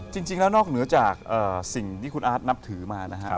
จริงแล้วนอกเหนือจากสิ่งที่คุณอาร์ตนับถือมานะครับ